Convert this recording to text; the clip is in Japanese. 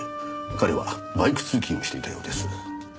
彼はバイク通勤をしていたようです。